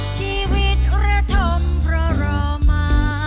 ชีวิตระทมเพราะรอมา